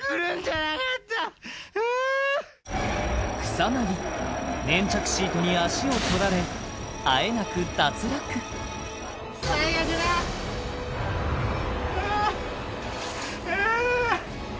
草薙粘着シートに足をとられあえなく脱落最悪だあーうわー